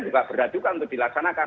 juga berat juga untuk dilaksanakan